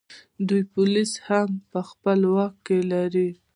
دوی پولیس هم په خپل واک کې لري